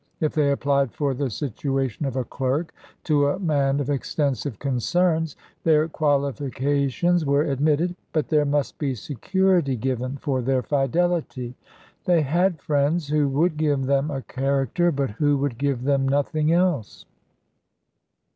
If they applied for the situation of a clerk to a man of extensive concerns, their qualifications were admitted; but there must be security given for their fidelity; they had friends, who would give them a character, but who would give them nothing else.